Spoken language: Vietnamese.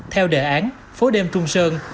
theo đề án phố đêm trung sơn